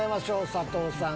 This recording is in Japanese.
佐藤さん